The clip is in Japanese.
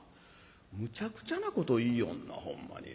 むちゃくちゃなこと言いよんなほんまに。